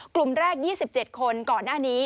กลุ่มแรก๒๗คนก่อนหน้านี้